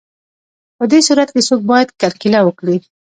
په دې صورت کې څوک باید کرکیله وکړي